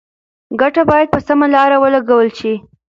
ګټه باید په سمه لاره ولګول شي.